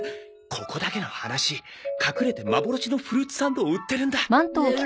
ここだけの話隠れてまぼろしのフルーツサンドを売ってるんだ。